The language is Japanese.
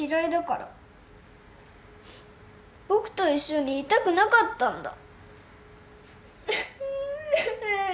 僕と一緒にいたくなかったんだ。